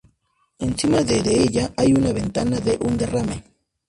Encima de de ella hay una ventana de un derrame.